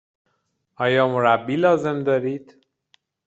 آیا مربی لازم دارید؟